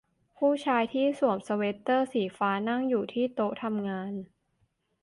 ผู้ชายที่สวมสเวทเตอร์สีฟ้านั่งอยู่ที่โต๊ะทำงาน